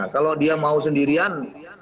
kalau dia mau sendirian